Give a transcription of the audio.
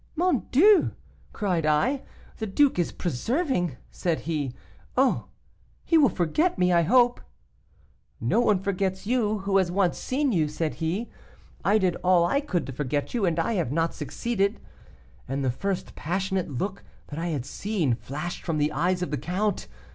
'Mon Dieu!' cried I. 'The duke is persevering,' said he. 'Oh! he will forget me, I hope.' "'No one forgets you who has once seen you,' said he. 'I did all I could to forget you, and I have not succeeded.' And the first passionate look that I had seen flashed from the eyes of the count.